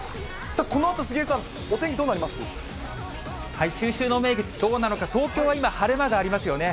さあ、このあと杉江さん、中秋の名月、どうなのか、東京は今、晴れ間がありますよね。